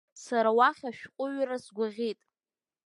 Сара уара уахь ашәҟәыҩҩра згәаӷьит.